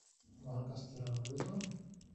Walka z terroryzmem?